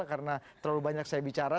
karena terlalu banyak saya bicara